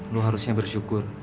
lu harusnya bersyukur